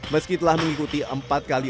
meski telah mengikuti empat kali